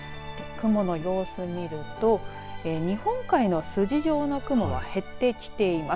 雲の様子を見ると日本海の筋状の雲が減ってきています。